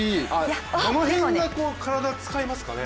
どの辺の体、使いますかね？